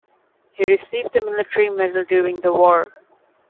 He received the Military Medal during the war.